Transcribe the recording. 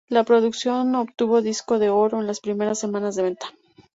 La producción obtuvo disco de oro en las primeras semanas de venta.